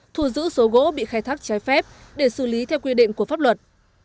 thu giữ số gỗ bị khai thác trái phép để xử lý theo quy định của pháp luật